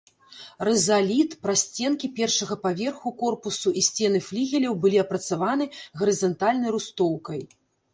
Рызаліт, прасценкі першага паверху корпусу і сцены флігеляў былі апрацаваны гарызантальнай рустоўкай.